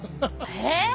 えっ！